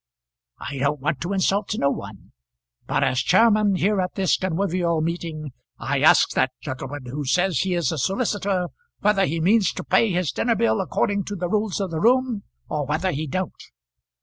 I don't want to insult no one; but as chairman here at this conwivial meeting, I asks that gentleman who says he is a solicitor whether he means to pay his dinner bill according to the rules of the room, or whether he don't?"